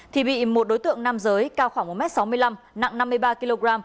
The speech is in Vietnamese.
thì bị một đối tượng nam giới cao khoảng một m sáu mươi năm nặng năm mươi ba kg